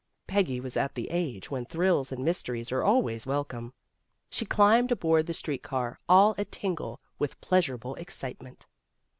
Peggy was at the age when thrills and mys teries are always welcome. She climbed aboard the street car all a tingle with pleasurable ex citement.